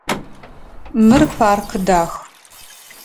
Мыр парк дах.